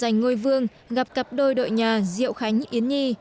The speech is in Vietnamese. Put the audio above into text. trận giành ngôi vương gặp cặp đôi đội nhà diệu khánh yến nhi